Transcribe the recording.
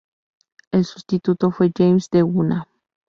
El sustituto fue James Te-Huna.